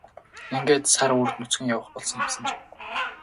Ингээд сар үүрд нүцгэн явах болсон юмсанжээ.